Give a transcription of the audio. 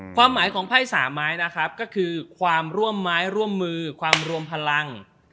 ความหมายของไพ่สามไม้นะครับก็คือความร่วมไม้ร่วมมือความรวมพลัง